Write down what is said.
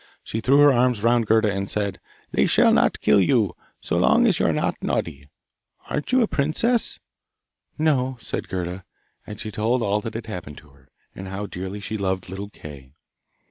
She threw her arms round Gerda and said, 'They shall not kill you, so long as you are not naughty. Aren't you a princess?' 'No,' said Gerda, and she told all that had happened to her, and how dearly she loved little Kay.